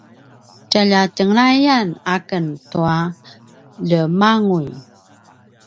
tjalja tjenglayan aken tua ljemanguy